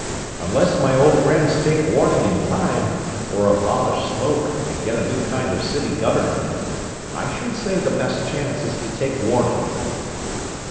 "Unless my old friends take warning in time, or abolish smoke and get a new kind of city government. I should say the best chance is to take warning."